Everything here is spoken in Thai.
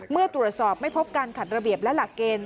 เมื่อตรวจสอบไม่พบการขัดระเบียบและหลักเกณฑ์